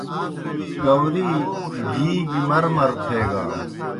کاؤری گی گیْ مرمر تھیگان۔